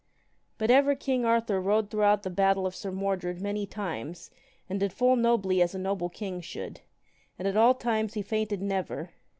But ever king Arthur rode throughout the battle of Sir Mordred many times, and did full nobly as a noble king should; and at all times he fainted never.